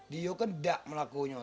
dia kan tidak melakunya